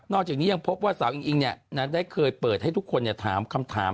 จากนี้ยังพบว่าสาวอิงอิงได้เคยเปิดให้ทุกคนถามคำถาม